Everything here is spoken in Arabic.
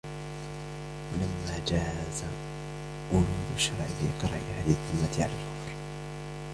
وَلَمَا جَازَ وُرُودُ الشَّرْعِ بِإِقْرَارِ أَهْلِ الذِّمَّةِ عَلَى الْكُفْرِ